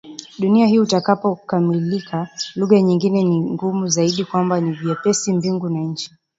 dunia hii utakapokamilika lugha nyingine ni ngumu Zaidi kwamba ni vyepesi mbingu na nchi